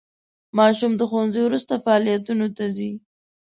ماشوم د ښوونځي وروسته فعالیتونو ته ځي.